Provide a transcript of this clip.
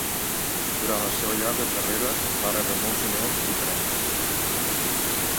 Durant la seva llarga carrera, va rebre molts honors i premis.